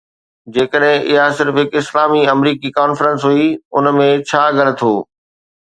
جيڪڏهن اها صرف هڪ اسلامي آمريڪي ڪانفرنس هئي، ان ۾ ڇا غلط هو؟